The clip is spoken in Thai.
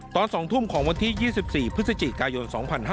ตอน๒ทุ่มของวันที่๒๔พฤศจิกายน๒๕๕๙